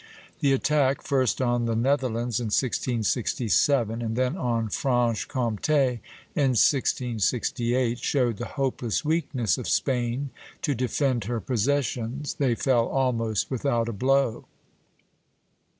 The attack first on the Netherlands in 1667, and then on Franche Comté in 1668, showed the hopeless weakness of Spain to defend her possessions; they fell almost without a blow.